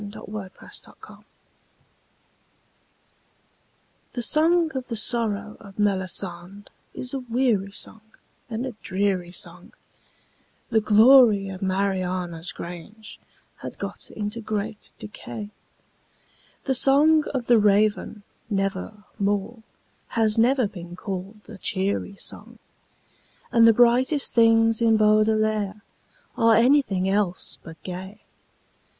The Song Against Songs The song of the sorrow of Melisande is a weary song and a dreary song, The glory of Mariana's grange had got into great decay, The song of the Raven Never More has never been called a cheery song, And the brightest things in Baudelaire are anything else but gay.